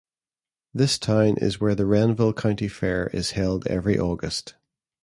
This town is where the Renville County Fair is held every August.